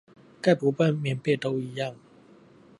蓋不蓋棉被都一樣